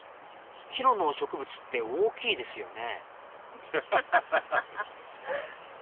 ヒロの植物って大きいですよね。